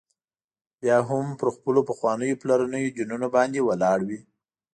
بیا هم پر خپلو پخوانیو پلرنيو دینونو باندي ولاړ وي.